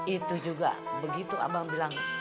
itu juga begitu abang bilang